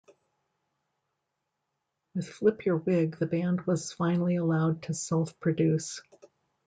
With "Flip Your Wig" the band was finally allowed to self-produce.